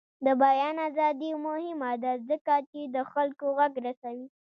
د بیان ازادي مهمه ده ځکه چې د خلکو غږ رسوي.